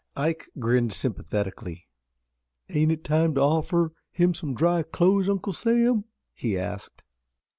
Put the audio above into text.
Ike grinned sympathetically. "Ain't it time to offer him some dry clothes, Uncle Sam?" he asked.